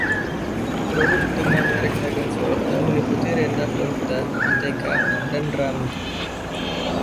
Produk dengan merek dagang Vologda meliputi renda Vologda, mentega, dan rami.